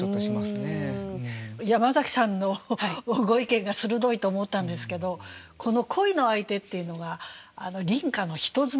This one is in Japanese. ヤマザキさんのご意見が鋭いと思ったんですけどこの恋の相手っていうのが隣家の人妻なんですね。